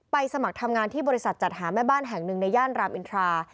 สมัครทำงานที่บริษัทจัดหาแม่บ้านแห่งหนึ่งในย่านรามอินทรา